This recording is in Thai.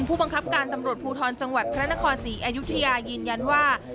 ผู้บังคับการบุกรรจังหวัดพระนครสีอายุทิอายืนยันว่า